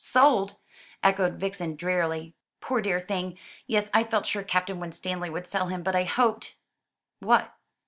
"Sold!" echoed Vixen drearily. "Poor dear thing! Yes, I felt sure Captain Winstanley would sell him. But I hoped " "What?"